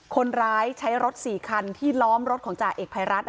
คนร้ายใช้รถ๔คันที่ล้อมรถของจ่าเอกภัยรัฐ